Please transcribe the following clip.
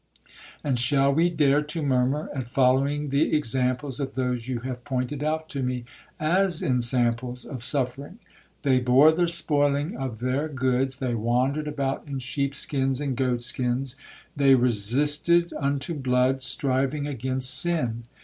And shall we dare to murmur at following the examples of those you have pointed out to me as ensamples of suffering? They bore the spoiling of their goods,—they wandered about in sheep skins and goat skins,—they resisted unto blood, striving against sin.